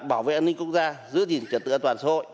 bảo vệ an ninh quốc gia giữ gìn trật tự an toàn xã hội